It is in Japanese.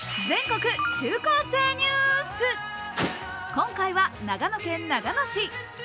今回は長野県長野市。